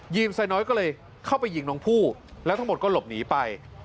ีนไซน้อยก็เลยเข้าไปยิงน้องผู้แล้วทั้งหมดก็หลบหนีไป